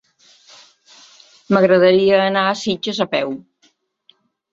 M'agradaria anar a Sitges a peu.